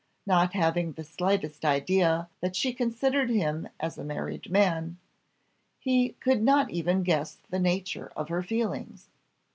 Not having the slightest idea that she considered him as a married man, he could not even guess the nature of her feelings.